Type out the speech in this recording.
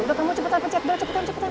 udah kamu cepetan kecek udah cepetan cepetan